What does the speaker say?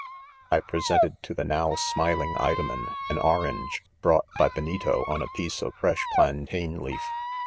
I presented to the now •smiling Idomen, an orange, brought by Benito on 'a piece of fresh plantain leaf.